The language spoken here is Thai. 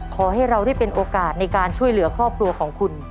ขอให้เราได้เป็นโอกาสในการช่วยเหลือครอบครัวของคุณ